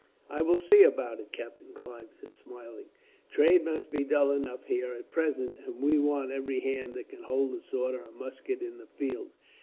"I will see about it," Captain Clive said, smiling. "Trade must be dull enough here, at present, and we want every hand that can hold a sword or a musket in the field.